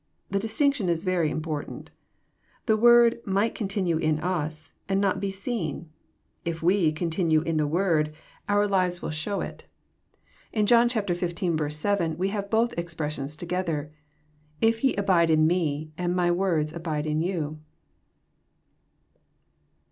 The distinction is very important. The word " might continue In us," and not be seen. If we " continue in the word," our JOHN, CHAP. Yin. 105 liyes will show it. Tn John xv. 7, we bare both expressions together :'* If ye abide in Me, and My words abide in yon."